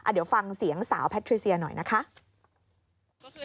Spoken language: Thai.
เดี๋ยวฟังเสียงสาวแพทริเซียหน่อยนะคะ